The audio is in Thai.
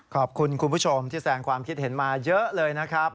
ขอบคุณคุณผู้ชมที่แสงความคิดเห็นมาเยอะเลยนะครับ